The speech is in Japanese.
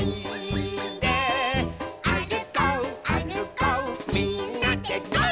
「あるこうあるこうみんなでゴー！」